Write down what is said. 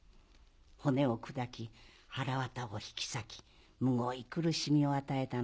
骨を砕きはらわたを引き裂きむごい苦しみを与えたのだ。